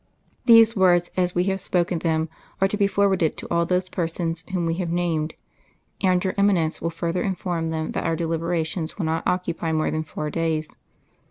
These words, as we have spoken them, are to be forwarded to all those persons whom we have named; and your Eminence will further inform them that our deliberations will not occupy more than four days.